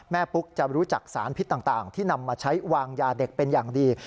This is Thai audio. ปุ๊กจะรู้จักสารพิษต่างที่นำมาใช้วางยาเด็กเป็นอย่างดี